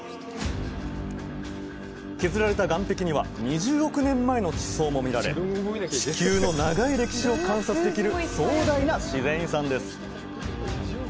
削られた岸壁には２０億年前の地層も見られ地球の長い歴史を観察できる壮大な自然遺産です